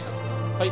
はい。